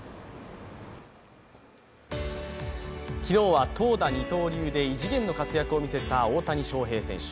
昨日は投打二刀流で異次元の活躍を見せた大谷翔平選手。